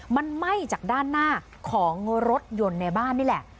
มันไหม้จากด้านหน้าของรถยนต์ในบ้านนี่แหละ